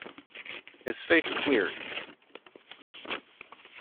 His face cleared.